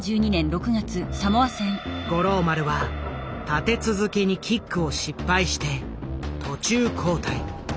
五郎丸は立て続けにキックを失敗して途中交代。